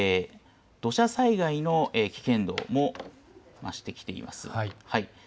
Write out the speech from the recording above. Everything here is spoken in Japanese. そして土砂災害の危険度も増してきています。